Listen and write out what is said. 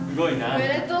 おめでとう！